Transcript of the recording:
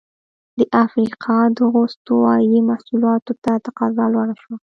د افریقا دغو استوايي محصولاتو ته تقاضا لوړه شوه.